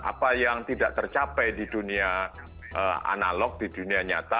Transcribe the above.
apa yang tidak tercapai di dunia analog di dunia nyata